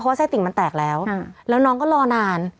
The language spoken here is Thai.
ไส้ติ่งมันแตกแล้วแล้วน้องก็รอนาน